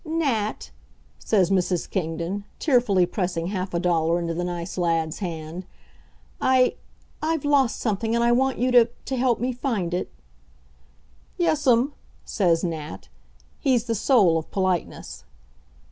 "Nat," says Mrs. Kingdon, tearfully pressing half a dollar into the nice lad's hand, "I I've lost something and I want you to to help me find it." "Yes'm," says Nat. He's the soul of politeness.